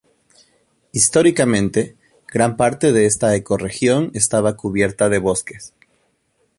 Históricamente, gran parte de esta ecorregión estaba cubierta de bosques.